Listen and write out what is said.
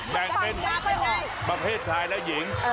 แบ่งเป็นประเภทชายและหญิง